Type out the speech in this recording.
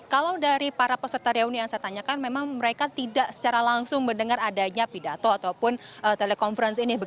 kalau dari para peserta reuni yang saya tanyakan memang mereka tidak secara langsung mendengar adanya pidato ataupun telekonferensi ini